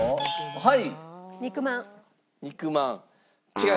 はい。